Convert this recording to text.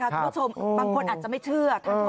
บางคนอาจจะไม่เชื่อ